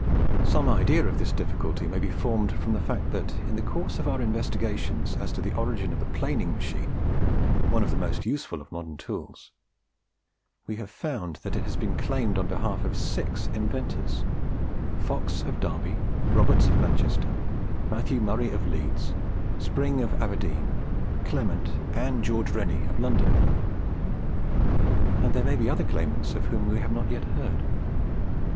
Some idea of this difficulty may be formed from the fact that, in the course of our investigations as to the origin of the planing machine one of the most useful of modern tools we have found that it has been claimed on behalf of six inventors Fox of Derby, Roberts of Manchester, Matthew Murray of Leeds, Spring of Aberdeen, Clement and George Rennie of London; and there may be other claimants of whom we have not yet heard.